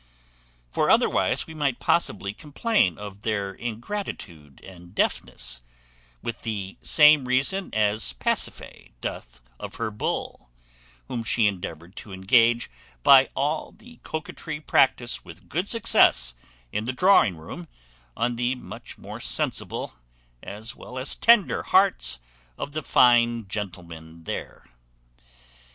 For otherwise we might possibly complain of their ingratitude and deafness, with the same reason as Pasiphae doth of her bull, whom she endeavoured to engage by all the coquetry practised with good success in the drawing room on the much more sensible as well as tender hearts of the fine gentlemen there.